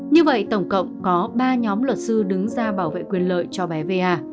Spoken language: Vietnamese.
như vậy tổng cộng có ba nhóm luật sư đứng ra bảo vệ quyền lợi cho bé bé a